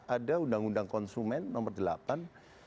ada undang undang konsumen nomor delapan